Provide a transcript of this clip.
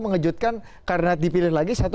mengejutkan karena dipilih lagi satu